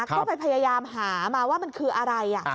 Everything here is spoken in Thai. ก็ไปพยายามหามาว่ามันคืออะไร